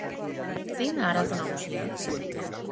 Zein da arazo nagusia?